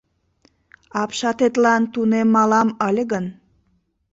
Апшатетлан тунемалам ыле гын